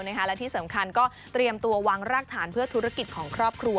และที่สำคัญก็เตรียมตัววางรากฐานเพื่อธุรกิจของครอบครัว